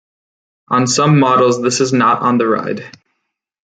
On some models this is not on the ride.